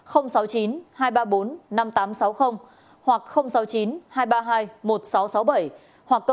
hoặc sáu mươi chín hai trăm ba mươi bốn năm trăm tám mươi